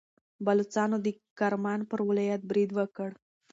بلوڅانو د کرمان پر ولایت برید وکړ.